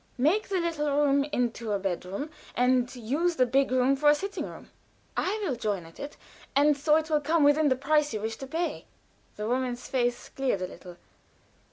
Make the little room into a bedroom, and use the big room for a sitting room. I will join at it, and so it will come within the price you wish to pay." The woman's face cleared a little.